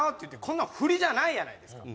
こんなん振りじゃないやないですか。